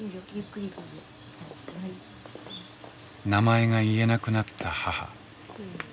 名前が言えなくなった母。